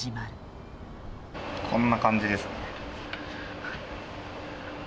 こんな感じですね。